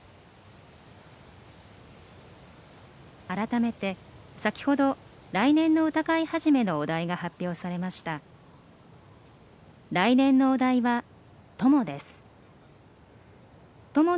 あらためて先ほど、来年の歌会始のお題が発表されました。